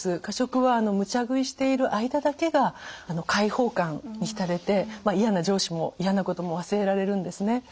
過食はむちゃ食いしている間だけが解放感に浸れて嫌な上司も嫌なことも忘れられるんですね。